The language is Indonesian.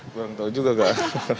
kurang tahu juga kak